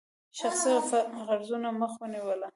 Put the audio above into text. شخصي غرضونو مخه ونیوله.